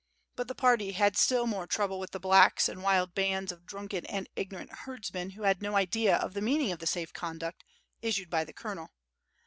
liut the party had still more trouble with the "blacks" and wild bands of drunken and ignorant herdsmen who had no idea of the meaning of the safe conduct, issued by the col onel.